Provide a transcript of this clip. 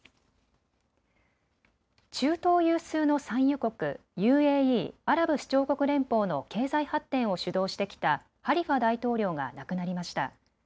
中東有数の産油国、ＵＡＥ・アラブ首長国連邦の経済発展を主導してきたハリファ大統領が亡くなりました。